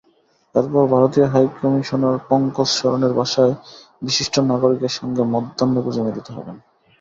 এরপর ভারতীয় হাইকমিশনার পঙ্কজ সরনের বাসায় বিশিষ্ট নাগরিকদের সঙ্গে মধ্যাহ্নভোজে মিলিত হবেন।